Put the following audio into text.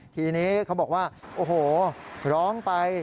ทีนี้เขาบอกว่าโอ้โหร้องไป